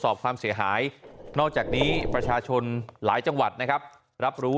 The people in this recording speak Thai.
ความเสียหายนอกจากนี้ประชาชนหลายจังหวัดนะครับรับรู้